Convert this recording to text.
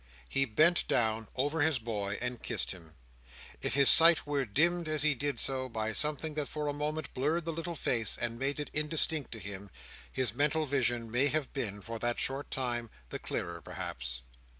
He bent down, over his boy, and kissed him. If his sight were dimmed as he did so, by something that for a moment blurred the little face, and made it indistinct to him, his mental vision may have been, for that short time, the clearer perhaps.